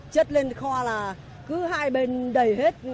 chất lên kho là cứ hai bên đầy hết